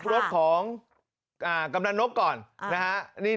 รถของกำนันนกก่อนนะฮะ